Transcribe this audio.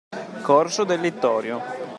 Corso del Littorio.